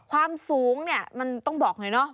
ความสูงเนี่ยมันต้องบอกหน่อยเนาะ